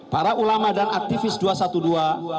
para ulama dan aktivis dua satu dua